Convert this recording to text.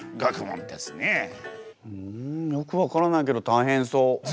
ふんよく分からないけど大変そう。